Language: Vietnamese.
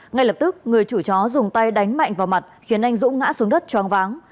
ngay lập tức người chủ chó dùng tay đánh mạnh vào mặt khiến anh dũng ngã xuống đất choang váng